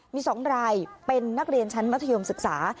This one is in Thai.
มี๒รายเป็นนักเรียนชั้นมัธยมศึกษา